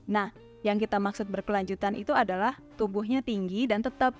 nah yang kita maksud berkelanjutan itu adalah tubuhnya tinggi dan tetap